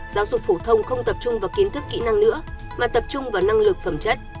giáo dục phổ thông không tập trung vào kiến thức kỹ năng nữa mà tập trung vào năng lực phẩm chất